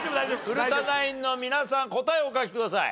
古田ナインの皆さん答えお書きください。